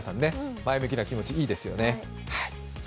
前向きな気持ち、いいですよね。